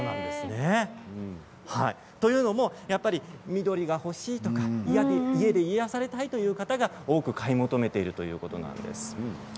緑が欲しいとか家で癒やされたいという方が多く買い求めているということなんです。